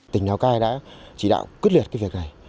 tỉnh lào cai đã chỉ đạo quyết liệt cái việc này